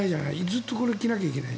ずっとこれ着なきゃいけない。